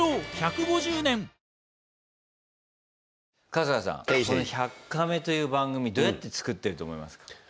この「１００カメ」という番組どうやって作ってると思いますか？